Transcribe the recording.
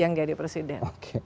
yang jadi presiden